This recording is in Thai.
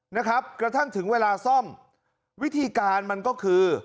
นะครับกระทั่งถึงเวลาซ่อมวิธีการมันก็คือ